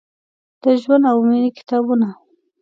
د ژوند او میینې کتابونه ،